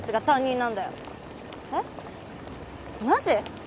えっ？マジ？